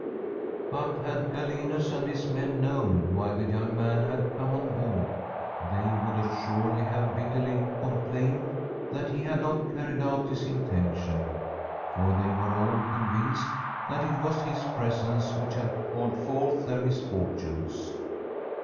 But had Galenus and his men known why the young man had come on board, they would as suredly have bitterly complained that he had not carried out his intention, for they were all con vinced that it was his presence which had called forth their misfortunes.